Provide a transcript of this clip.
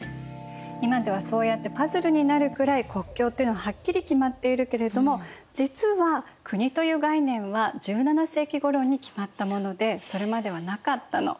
今ではそうやってパズルになるくらい国境っていうのがはっきり決まっているけれども実は国という概念は１７世紀ごろに決まったものでそれまではなかったの。